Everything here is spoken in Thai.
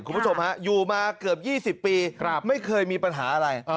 คุณผู้ชมฮะอยู่มาเกือบ๒๐ปีไม่เคยมีปัญหาอะไร